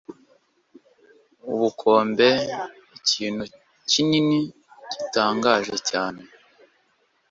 ubukombe ikintu kinini gitangaje cyane